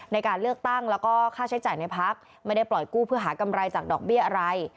ในการเลือกตั้งแล้วก็ค่าใช้จ่ายในพักไม่ได้ปล่อยกู้เพื่อหากำไรจากดอกเบี้ยอะไร